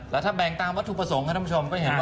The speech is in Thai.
แล้วถ้าแบ่งตามวัตถุประสงค์ท่านผู้ชมก็เห็นว่า